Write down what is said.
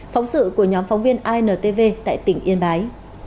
phóng sự của nhóm phóng viên intv tại tỉnh yên bái